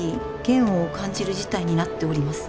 「嫌悪を感じる事態になっております」